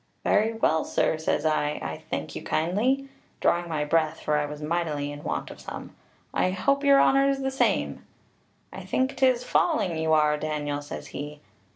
'Very well, sir,' says I, 'I thank you kindly,' drawing my breath, for I was mightily in want of some. 'I hope your honour's the same.' 'I think 'tis falling you are, Daniel,' says he.